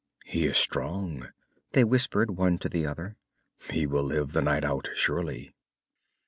"He is strong," they whispered, one to the other. "He will live the night out, surely!"